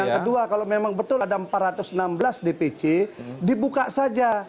yang kedua kalau memang betul ada empat ratus enam belas dpc dibuka saja